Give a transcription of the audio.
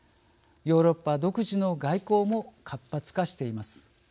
ヨーロッパ独自の外交も活発化しています。